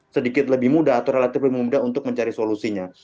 sedikit lebih mudah atau relatif lebih mudah untuk mencari solusinya